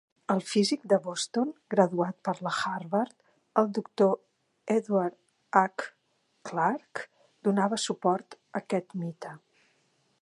El físic de Boston, graduat per la Harvard, el doctor Edward H. Clarke, donava suport a aquest mite.